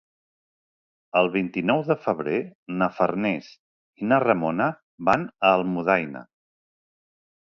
El vint-i-nou de febrer na Farners i na Ramona van a Almudaina.